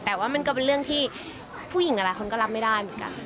แต่ว่ามันก็เป็นเรื่องที่ผู้หญิงหลายคนก็รับไม่ได้เหมือนกัน